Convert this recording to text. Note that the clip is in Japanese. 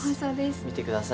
見てください